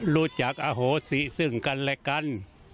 รู้จักอโหสิซึ่งกันและกัน